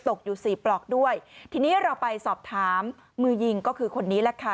อยู่สี่ปลอกด้วยทีนี้เราไปสอบถามมือยิงก็คือคนนี้แหละค่ะ